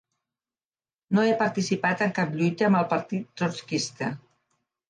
No he participat en cap lluita amb el partit trotskista.